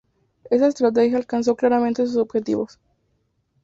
Esa estrategia alcanzó claramente sus objetivos.